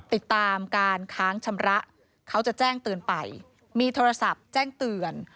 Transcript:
ติดตามการค้างชำระเขาจะแจ้งเตือนไปมีโทรศัพท์แจ้งเตือน